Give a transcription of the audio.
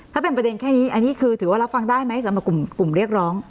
ถ้าเป็นประเด็นแค่นี้ถือว่ารับฟังได้ไหมที่กลุ่มเรียกร้อง